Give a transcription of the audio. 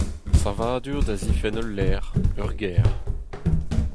Savadur da zifenn ul lec'h, ur gêr.